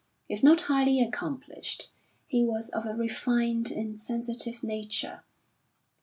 If not highly accomplished, he was of a refined and sensitive nature.